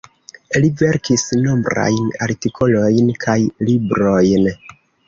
Li verkis nombrajn artikolojn kaj librojn.